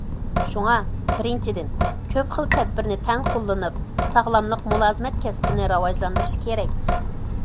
شۇڭا، بىرىنچىدىن، كۆپ خىل تەدبىرنى تەڭ قوللىنىپ، ساغلاملىق مۇلازىمەت كەسپىنى راۋاجلاندۇرۇش كېرەك.